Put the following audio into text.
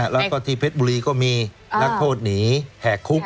แล้วก็ที่เพชรบุรีก็มีนักโทษหนีแหกคุก